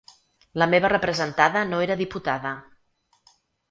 La meva representada no era diputada.